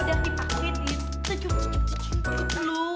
jangan sakit ya